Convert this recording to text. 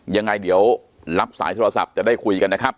ยังไงเดี๋ยวรับสายโทรศัพท์จะได้คุยกันนะครับ